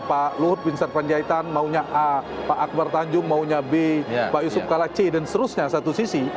pak luhut bin sarpanjaitan maunya a pak akbar tanjung maunya b pak yusuf kala c dan seterusnya satu sisi